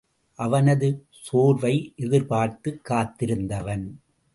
அவனது சோர்வை எதிர்பார்த்துக் காத்திருந்தவன்.